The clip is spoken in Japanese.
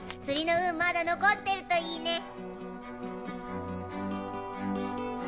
釣りの運まだ残ってるといいね。